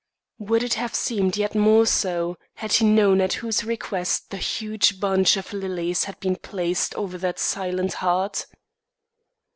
Would it have seemed yet more so, had he known at whose request the huge bunch of lilies had been placed over that silent heart?